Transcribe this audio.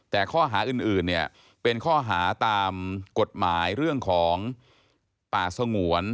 แต่ข้อหาอื่นเนี่ยเป็นข้อหาตามกฎหมายเรื่องของป่าสงวน